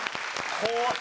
怖っ。